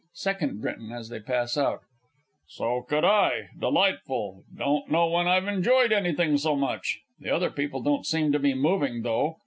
SECOND B. (as they pass out). So could I delightful! Don't know when I've enjoyed anything so much. The other people don't seem to be moving, though.